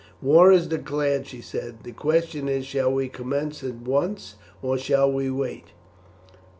"War is declared," she said; "the question is shall we commence at once, or shall we wait?"